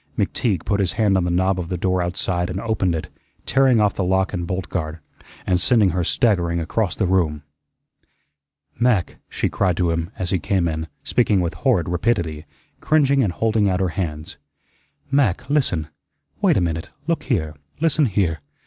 McTeague put his hand on the knob of the door outside and opened it, tearing off the lock and bolt guard, and sending her staggering across the room. "Mac," she cried to him, as he came in, speaking with horrid rapidity, cringing and holding out her hands, "Mac, listen. Wait a minute look here listen here.